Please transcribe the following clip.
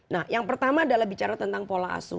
nah yang pertama adalah bicara tentang pola asu